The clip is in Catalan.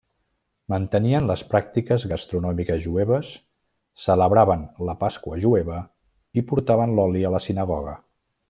Mantenien les pràctiques gastronòmiques jueves, celebraven la Pasqua jueva i portaven l'oli a la sinagoga.